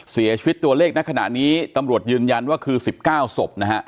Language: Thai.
เสียชีวิตตัวเลขในขณะนี้ตำรวจยืนยันว่าคือ๑๙ศพนะฮะ